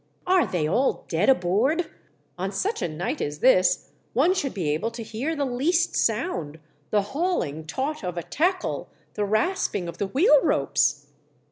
" Are they all dead aboard ? On such a night as this one should be able to hear the least sound — the hauling taut of a tackle — the rasping of the wheel ropes